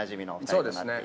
そうですね。